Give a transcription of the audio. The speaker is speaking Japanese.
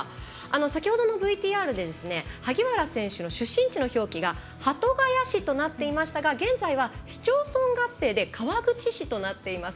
先ほどのＶＴＲで萩原選手の出身地が鳩ヶ谷市となっていましたが現在は市町村合併で川口市となっています。